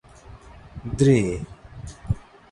درې